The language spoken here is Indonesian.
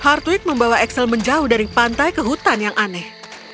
hartweet membawa excel menjauh dari pantai ke hutan yang aneh